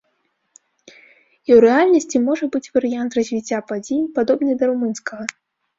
І ў рэальнасці можа быць варыянт развіцця падзей, падобны да румынскага.